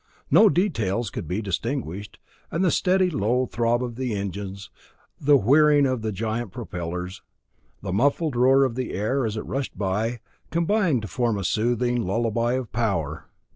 No details could be distinguished, and the steady low throb of the engines, the whirring of the giant propellers, the muffled roar of the air, as it rushed by, combined to form a soothing lullaby of power.